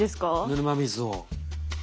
ぬるま水を。